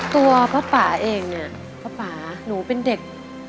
ตัวป้าป่าเองเนี่ยป้าป่าหนูเป็นเด็ก